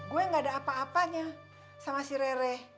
gue gak ada apa apanya sama si rere